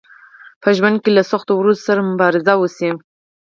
په ژوند کې له سختو ورځو سره مبارزه وشئ